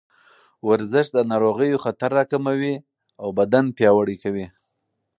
ورزش د ناروغیو خطر راکموي او بدن پیاوړی کوي.